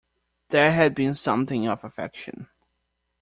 There had been something of affection.